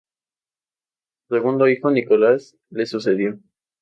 Su segundo hijo, Nicolás, le sucedió.